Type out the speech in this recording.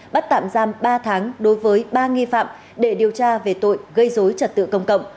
bắt tạm giam ba tháng đối với ba nghi phạm để điều tra về tội gây dối trật tự công cộng